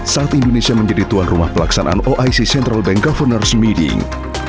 saat indonesia menjadi tuan rumah pelaksanaan oic central bank governance meeting